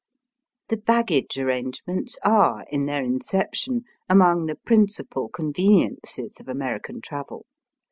The baggage arrangements are, in their inception, among the principal conveniences of American travel.